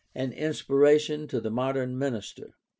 An inspiration to the modern minister.